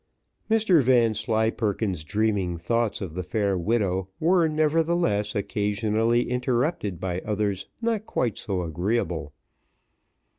Mr Vanslyperken's dreaming thoughts of the fair widow were nevertheless occasionally interrupted by others not quite so agreeable.